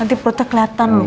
nanti perutnya keliatan loh